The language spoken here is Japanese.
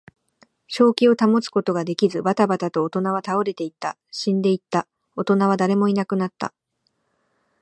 正気を保つことができず、ばたばたと大人は倒れていった。死んでいった。大人は誰もいなくなった。